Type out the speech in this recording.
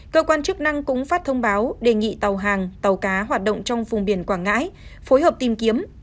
cơ quan chức năng cũng phát thông báo đề nghị tàu hàng tàu cá hoạt động trong vùng biển quảng ngãi phối hợp tìm kiếm